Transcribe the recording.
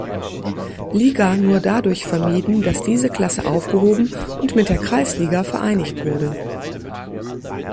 Liga nur dadurch vermieden, das diese Klasse aufgehoben und mit der Kreisliga vereinigt wurde.